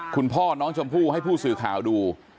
คุณพ่อน้องชมพู่ให้ผู้สื่อข่าวดู